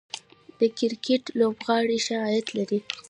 د کرکټ لوبغاړي ښه عاید لري